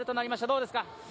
どうですか。